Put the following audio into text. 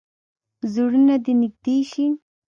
زړونه دې نږدې شي.